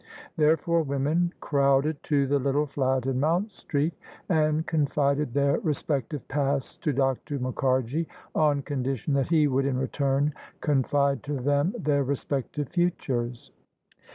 Therefore women crowded to the little flat in Mount Street, and confided their respec tive pasts to Dr. Mukharji; on condition that he would in return confide to them their respective futures.